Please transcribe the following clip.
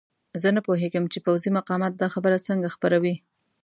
زه نه پوهېږم چې پوځي مقامات دا خبره څنګه خپروي.